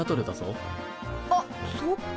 あっそっか。